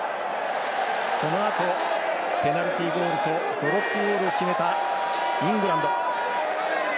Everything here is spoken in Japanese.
そのあと、ペナルティゴールとドロップゴールを決めたイングランド。